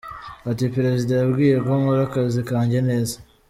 Ati “Perezida yambwiye ko nkora akazi kanjye neza.